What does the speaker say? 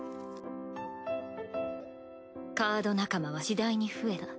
カード仲間は次第に増えた。